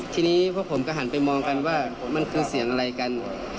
ทีนี้พวกผมก็หันไปมองกันว่ามันคือเสียงอะไรกัน